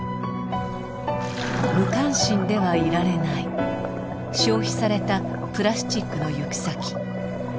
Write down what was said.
無関心ではいられない消費されたプラスチックの行く先。